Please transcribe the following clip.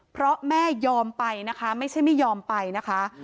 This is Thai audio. เพราะแม่ยอมไปนะคะไม่ใช่ไม่ยอมไปนะคะ